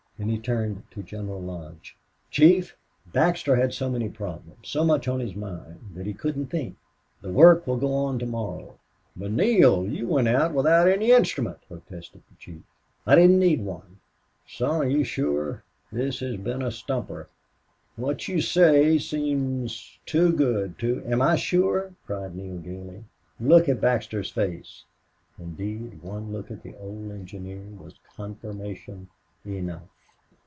Then he turned to General Lodge. "Chief, Baxter had so many problems so much on his mind that he couldn't think... The work will go on tomorrow." "But, Neale, you went out without any instrument," protested the chief. "I didn't need one." "Son, are you sure? This has been a stumper. What you say seems too good too " "Am I sure?" cried Neale, gaily. "Look at Baxter's face!" Indeed, one look at the old engineer was confirmation enough.